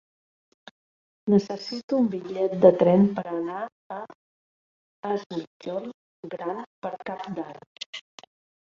Necessito un bitllet de tren per anar a Es Migjorn Gran per Cap d'Any.